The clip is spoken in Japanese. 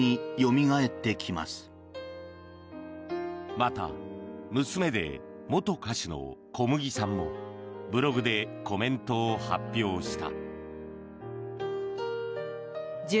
また、娘で元歌手のこむぎさんもブログでコメントを発表した。